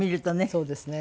そうですね。